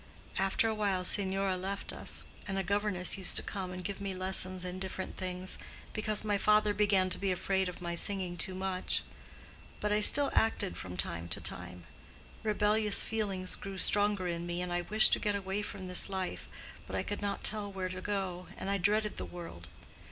After a while Signora left us, and a governess used to come and give me lessons in different things, because my father began to be afraid of my singing too much; but I still acted from time to time. Rebellious feelings grew stronger in me, and I wished to get away from this life; but I could not tell where to go, and I dreaded the world.